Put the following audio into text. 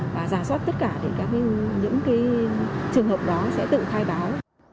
và giả soát tất cả những trường hợp đó sẽ tự khai báo